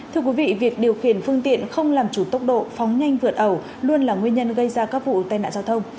thưa quý vị việc điều khiển phương tiện không làm chủ tốc độ phóng nhanh vượt ẩu luôn là nguyên nhân gây ra các vụ tai nạn giao thông